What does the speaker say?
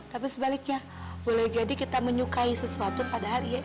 tapi sebaliknya boleh jadi kita menyukai sesuatu padahal ia amat baik